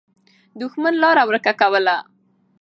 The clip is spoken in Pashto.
دښمن لاره ورکه کوله.